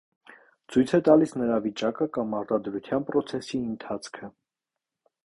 Ցույց է տալիս նրա վիճակը կամ արտադրության պրոցեսի ընթացքը։